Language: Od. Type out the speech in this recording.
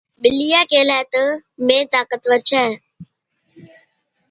ٻلِيئَي ڪيهلَي تہ، مين طاقتوَر ڇَين،